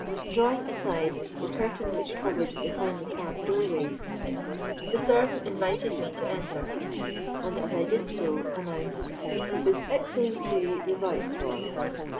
Drawing aside the curtain which covered the finely carved doorway, the servant invited me to enter, and as I did so announced "His Excellency the Viceroy."